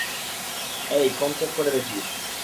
অ্যাই, কম চেক করে দেখি।